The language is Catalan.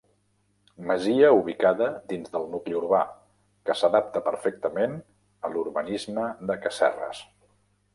Masia ubicada dins del nucli urbà, que s'adapta perfectament a l'urbanisme de Casserres.